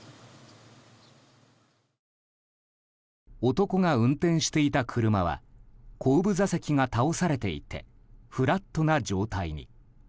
男が運転していた車は後部座席が倒されていてフラットな状態に。